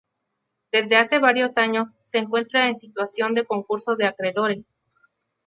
Desde hace varios años se encuentra en situación de concurso de acreedores.